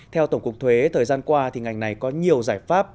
theo tổng cục thuế thời gian qua ngành này có nhiều giải pháp